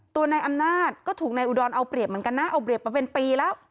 ตัวนายอำนาจก็ถูกนายอุดรเอาเปรียบเหมือนกันนะเอาเปรียบมาเป็นปีแล้ว